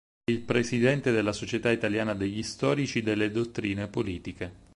È il presidente della Società italiana degli Storici delle dottrine politiche.